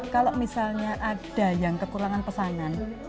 kalau misalnya ada yang kekurangan pesanan